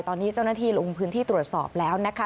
ตอนนี้เจ้าหน้าที่ลงพื้นที่ตรวจสอบแล้วนะคะ